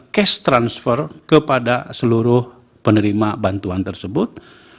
cash transfer kepada seluruh penerima bantuan tersebut